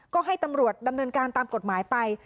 ก็ให้ตำรวจดำเนินการตามกฎหมายไป